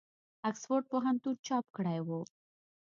آکسفورډ پوهنتون چاپ کړی وو.